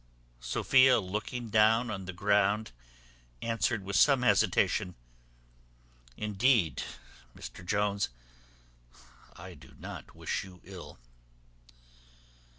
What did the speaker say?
Sophia, looking down on the ground, answered with some hesitation, "Indeed, Mr Jones, I do not wish you ill."